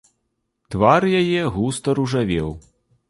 Твар яе густа ружавеў.